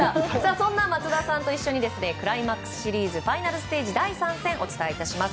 そんな松田さんと一緒にクライマックスシリーズファイナルステージの第３戦をお伝えします。